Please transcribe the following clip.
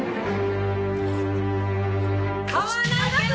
買わないけど。